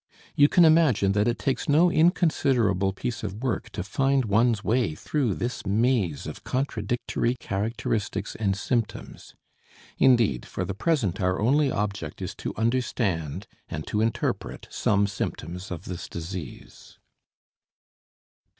You can imagine that it takes no inconsiderable piece of work to find one's way through this maze of contradictory characteristics and symptoms. Indeed, for the present our only object is to understand and to interpret some symptoms of this disease.